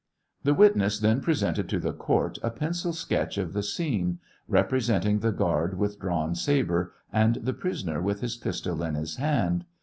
The witness then presented to the court a pencil sketch of the scene, repre senting the guard with drawn sabre and the prisoner with his pistol in his hand.